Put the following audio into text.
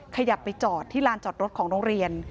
ขยับไปจอดที่ลานจอดรถของโรงเรียน